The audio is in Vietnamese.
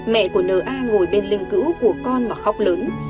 mẹ của nna ngồi bên linh cữu của con mà khóc lớn